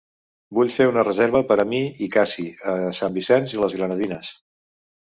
Vull fer una reserva per a mi i Cassie a Saint Vincent i les Grenadines.